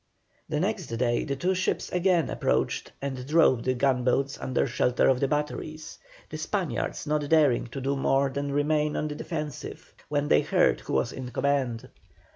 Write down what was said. The next day the two ships again approached and drove the gunboats under shelter of the batteries, the Spaniards not daring to do more than remain on the defensive when they heard who was in command.